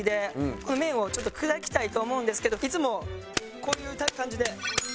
この麺をちょっと砕きたいと思うんですけどいつもこういう感じで。